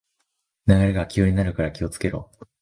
流れが急になるから気をつけろ